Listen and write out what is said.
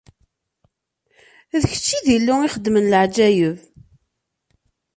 D kečč i d Illu ixeddmen leɛǧayeb.